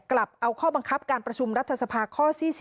กลับเอาข้อบังคับการประชุมรัฐสภาข้อ๔๐